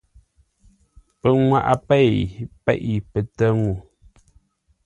Pə nŋwaʼa pei peʼé pətə́ ŋʉʉ.